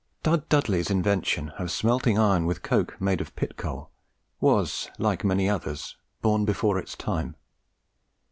Dud Dudley's invention of smelting iron with coke made of pit coal was, like many others, born before its time.